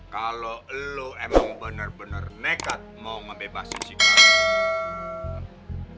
kalau lu emang bener bener nekat mau ngebebasin si cardun